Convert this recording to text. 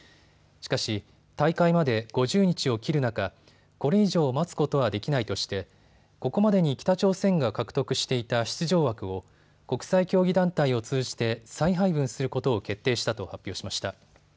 しかし大会まで５０日を切る中、これ以上、待つことはできないとしてここまでに北朝鮮が獲得していた出場枠を国際競技団体を通じて再配分することを決定したと発表しました。